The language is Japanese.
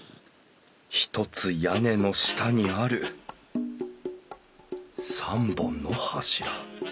ひとつ屋根の下にある３本の柱。